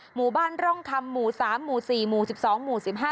หมู่บ้านร่องคำหมู่สามหมู่สี่หมู่สิบสองหมู่สิบห้า